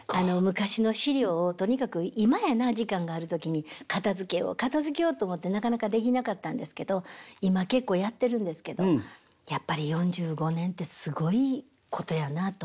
昔の資料をとにかく今やな時間がある時に片づけよう片づけようと思ってなかなかできなかったんですけど今結構やってるんですけどやっぱり４５年ってすごいことやなあと。